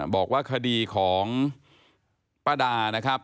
บอกว่าคดีของป้าดานะครับ